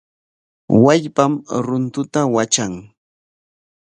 Wallpam runtuta watran.